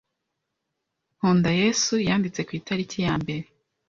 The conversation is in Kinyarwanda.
nkunda yesu yanditse ku itariki ya mbere